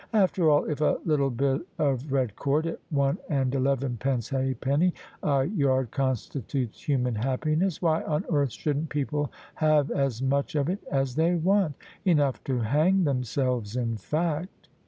After all, if a little bit of red cord at one and elevenpence halfpenny a yard constitutes human happiness, why on earth shouldn't people have as much of it as they want — enough to hang themselves in fact?"